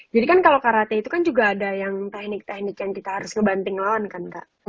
jadi kan kalau karate itu kan juga ada yang teknik teknik yang kita harus ngebanting lawan kan kak